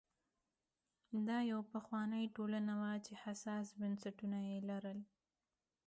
دا یوه پخوانۍ ټولنه وه چې حساس بنسټونه یې لرل.